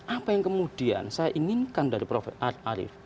apa yang kemudian saya inginkan dari prof arief